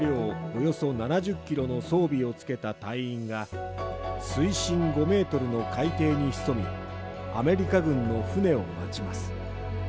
およそ７０ｋｇの装備をつけた隊員が、水深５ｍの海底に潜みアメリカ軍の船を待ちます。